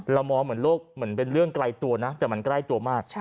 มองเหมือนโลกเหมือนเป็นเรื่องไกลตัวนะแต่มันใกล้ตัวมาก